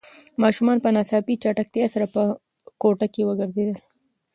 ماشوم په ناڅاپي چټکتیا سره په کوټه کې وگرځېد.